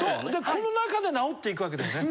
この中で治っていくわけですね。